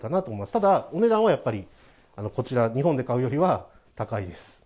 ただ、お値段はやっぱり、こちら、日本で買うよりは高いです。